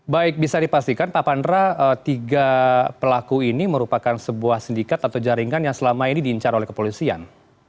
baik bisa dipastikan pak pandra tiga pelaku ini merupakan sebuah sindikat atau jaringan yang selama ini diincar oleh kepolisian